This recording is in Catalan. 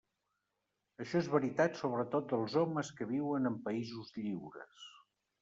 Això és veritat sobretot dels homes que viuen en països lliures.